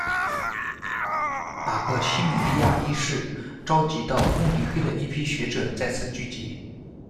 马克西米利安一世召集到慕尼黑的一批学者在此聚集。